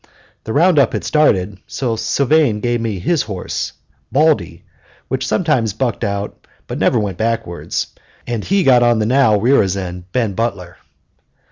The round up had started; so Sylvane gave me his horse, Baldy, which sometimes bucked but never went over backwards, and he got on the now rearisen Ben Butler.